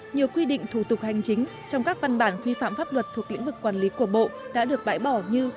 nhiều quy định thủ tục hành chính trong các văn bản quy phạm pháp luật thuộc lĩnh vực quản lý của bộ đã được bãi bỏ như